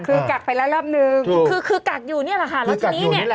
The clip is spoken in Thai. คือกักไปแล้วรอบนึงคือคือกักอยู่นี่แหละค่ะแล้วทีนี้เนี่ย